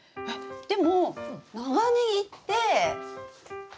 でも長ネギって。